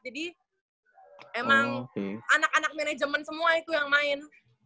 jadi emang anak anak manajemen semua itu yang main